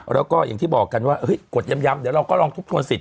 แล้วก็อย่างที่บอกกันว่ากดย้ำเดี๋ยวเราก็ลองทบทวนสิทธ